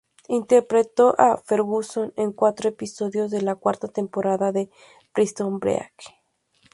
Interpretó a Ferguson en cuatro episodios de la cuarta temporada de "Prison Break".